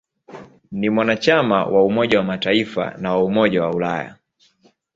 Ni mwanachama wa Umoja wa Mataifa na wa Umoja wa Ulaya.